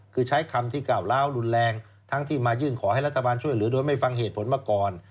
คือใช้คำที่กล่าวล้าวรุนแรงทั้งที่มายื่นขอให้รัฐบาลช่วยเหลือโดยไม่ฟังเหตุผลมาก่อน